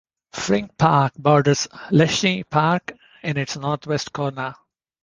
Frink Park borders Leschi Park in its northwest corner.